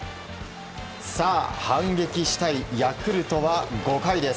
反撃したいヤクルトは５回です。